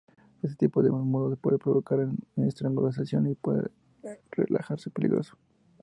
Este tipo de nudo puede provocar una estrangulación y puede pues revelarse peligroso.